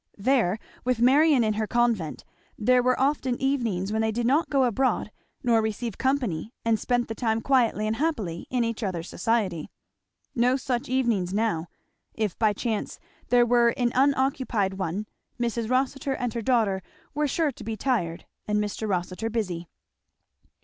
There, with Marion in her convent, there were often evenings when they did not go abroad nor receive company and spent the time quietly and happily in each other's society. No such evenings now; if by chance there were an unoccupied one Mrs. Rossitur and her daughter were sure to be tired and Mr. Rossitur busy.